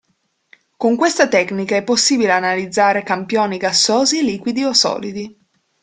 Con questa tecnica è possibile analizzare campioni gassosi, liquidi o solidi.